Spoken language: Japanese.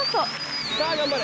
さぁ頑張れ！